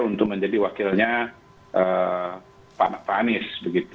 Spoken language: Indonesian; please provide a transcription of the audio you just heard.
untuk menjadi wakilnya pak anies